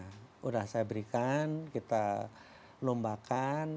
sudah saya berikan kita lombakan